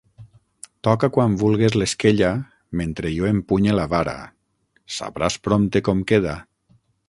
Toca quan vulgues l'esquella, mentre jo empunye la vara; sabràs prompte com queda.